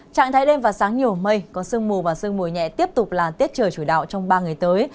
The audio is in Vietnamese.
trạng thái đêm và sáng nhiều mây có sương mù và sương mù nhẹ tiếp tục là tiết trời chủ đạo trong ba ngày tới